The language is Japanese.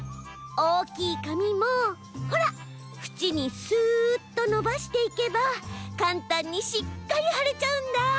おおきいかみもほらふちにスッとのばしていけばかんたんにしっかりはれちゃうんだ。